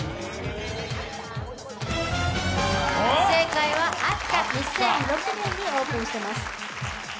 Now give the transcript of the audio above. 正解はあった２００６年にオープンしてます。